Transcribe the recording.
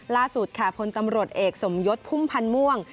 ล่าสุดค่ะพลตำรวจเอกสมยศพุ่มพันธ์ม่วง